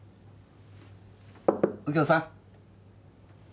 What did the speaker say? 右京さん？